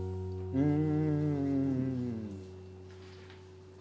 うん。